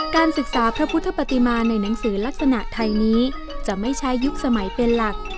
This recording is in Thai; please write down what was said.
การศึกษาพระพุทธปฏิมาในหนังสือลักษณะไทยนี้จะไม่ใช่ยุคสมัยเป็นหลัก